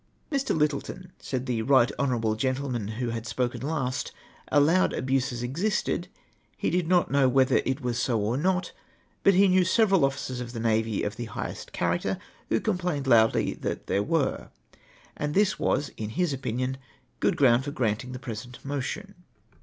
" Me. Ltttleton said the right honourable gentleman who had spoken last allowed abuses existed ; he did not know whether it Avas so or not, but he knew several officers of the navy of the higliest character who complained loudly that there were, and this was in his opinion good ground for granting the present motion.